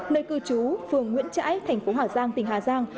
nơi cư trú phường nguyễn trãi thành phố hà giang tỉnh hà giang